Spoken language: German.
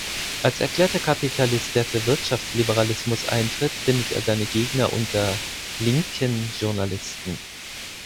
Als erklärter Kapitalist, der für Wirtschaftsliberalismus eintritt, findet er seine Gegner unter «linken» Journalisten.